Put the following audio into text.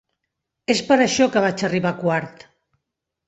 És per això que vaig arribar quart.